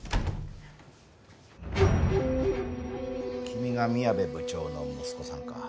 君が宮部部長の息子さんか。